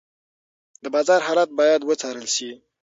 د بازار حالت باید وڅارل شي.